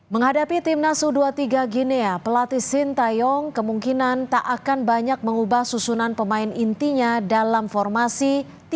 menghadapi timnas u dua puluh tiga ginia pelatih sintayong kemungkinan tak akan banyak mengubah susunan pemain intinya dalam formasi tiga